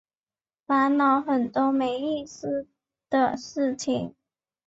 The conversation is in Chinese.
烦恼很多没意思的事情